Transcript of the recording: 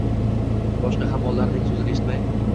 Boshqa hammollarning so’zin eshitmay